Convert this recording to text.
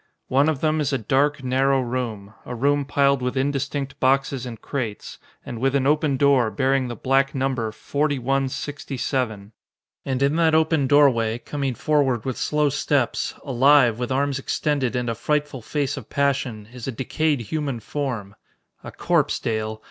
"One of them is a dark, narrow room a room piled with indistinct boxes and crates, and with an open door bearing the black number 4167. And in that open doorway, coming forward with slow steps alive, with arms extended and a frightful face of passion is a decayed human form. A corpse, Dale.